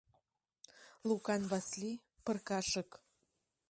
Лукан Васли-пыркашык!